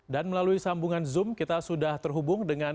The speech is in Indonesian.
dan melalui sambungan zoom kita sudah terhubung dengan